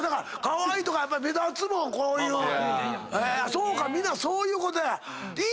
そうか皆そういうことや。